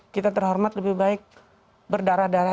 kita terhormat lebih baik berdarah darah